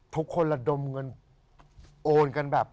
ทุกคนระดมเงินโอนกันแบบ